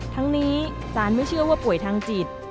ทั้งนี้สารไม่เชื่อว่าป่วยทางจิต